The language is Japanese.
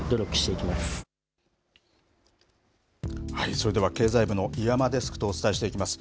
それでは経済部の岩間デスクとお伝えしていきます。